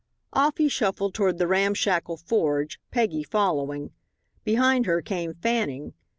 Off he shuffled toward the ramshackle forge, Peggy following. Behind her came Fanning.